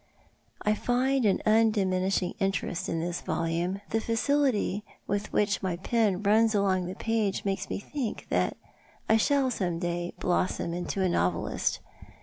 I find an uudiminishing interest in this volume, and the facility ^■ith which my pen runs along the page makes mo think that I shall some day blossom into a novelist.